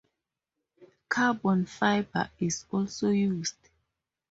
Carbon fiber is also used.